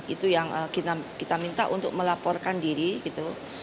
itu yang kita minta untuk melaporkan diri gitu